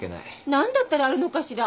何だったらあるのかしら？